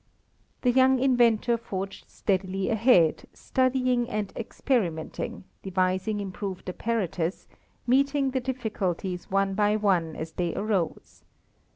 The young inventor forged steadily ahead, studying and experimenting, devising improved apparatus, meeting the difficulties one by one as they arose.